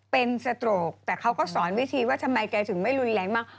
เป็นสโตรกแต่เขาก็สอนวิธีว่าทำไมแกถึงไม่รุนแรงมาก